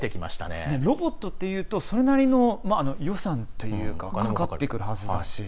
ロボットっていうとそれなりの予算もかかってくるはずだし。